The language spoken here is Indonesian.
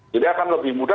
jadi akan lebih mudah